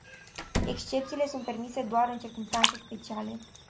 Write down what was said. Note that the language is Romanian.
Excepțiile sunt permise doar în circumstanțe speciale.